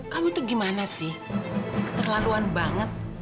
kamu tuh gimana sih keterlaluan banget